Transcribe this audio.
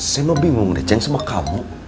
saya mau bingung deh ceng sama kamu